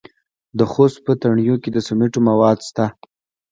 د خوست په تڼیو کې د سمنټو مواد شته.